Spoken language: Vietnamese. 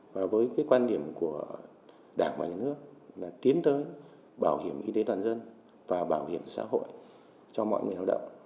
và với quan điểm của đảng và nhà nước là tiến tới bảo hiểm y tế toàn dân và bảo hiểm xã hội cho mọi người hợp đạo